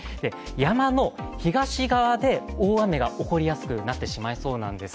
山の東側で大雨が起こりやすくなってしまいそうなんです。